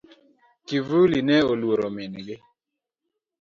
Kivuli ne oluoro min gi.